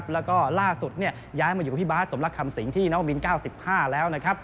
แล้วก็ล่าสุดย้ายมาอยู่พี่บาทสมรักคำสิงที่น้องบิน๙๕แล้วนะครับ